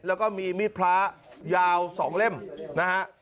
แล้วก็มีมีดพระยาว๒เล่มนะฮะ